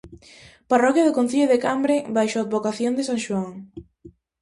Parroquia do concello de Cambre baixo a advocación de san Xoán.